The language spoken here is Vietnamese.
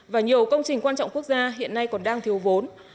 và nhiều công trình quan trọng quốc gia hiện nay còn đang thiếu vốn